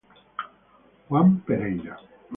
Juan Pereira.